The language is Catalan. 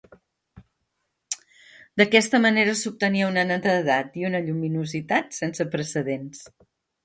D'aquesta manera s'obtenia una netedat i una lluminositat sense precedents.